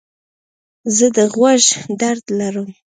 زه د غوږ درد لرم.